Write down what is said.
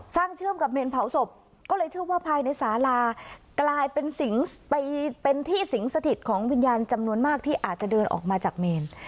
เชื่อมกับเมนเผาศพก็เลยเชื่อว่าภายในสาลากลายเป็นที่สิงสถิตของวิญญาณจำนวนมากที่อาจจะเดินออกมาจากเมน